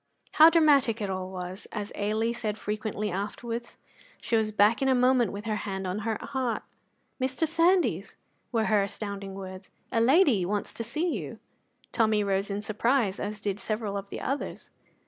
How dramatic it all was, as Ailie said frequently afterwards. She was back in a moment, with her hand on her heart. "Mr. Sandys," were her astounding words, "a lady wants to see you." Tommy rose in surprise, as did several of the others.